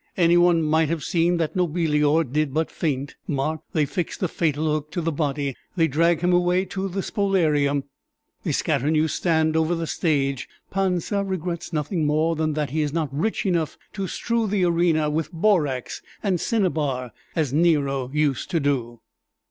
Any one might have seen that Nobilior did but feint. Mark, they fix the fatal hook to the body they drag him away to the spoliarium they scatter new sand over the stage! Pansa regrets nothing more than that he is not rich enough to strew the arena with borax and cinnabar, as Nero used to do."